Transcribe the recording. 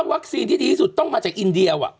วัคซีนที่ดีที่สุดต้องมาจากอินเดีย